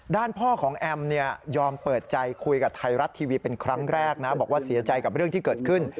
ด้านพ่อของแอมยอมเปิดใจคุยกับไทยรัฐทีวีเป็นครั้งแรกนะบอกว่าเสียใจกับเรื่องที่เกิดขึ้น